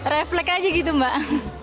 reflek aja gitu mbak